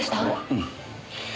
うん。